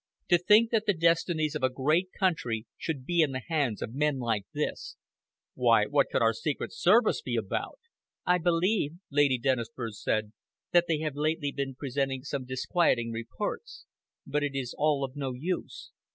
To think that the destinies of a great country should be in the hands of men like this. Why, what can our Secret Service be about?" "I believe," Lady Dennisford said, "that they have lately been presenting some disquieting reports. But it is all of no use.